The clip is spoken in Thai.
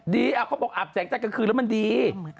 เขาบอกอาบแสงใจกลางคืนแล้วมันดี